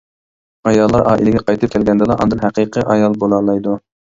ئاياللار ئائىلىگە قايتىپ كەلگەندىلا ئاندىن ھەقىقىي ئايال بولالايدۇ.